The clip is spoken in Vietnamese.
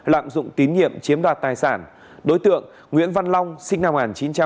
lạm dụng tín nhiệm chiếm đoạt tài sản đối tượng nguyễn văn long sinh năm một nghìn chín trăm tám mươi